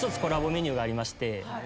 メニューがありまして。